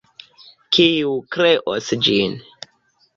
Kiu kreos ĝin?